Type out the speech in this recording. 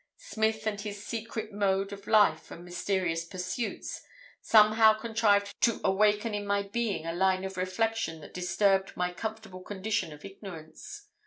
Smith and his secret mode of life and mysterious pursuits, somehow contrived to awaken in my being a line of reflection that disturbed my comfortable condition of ignorance.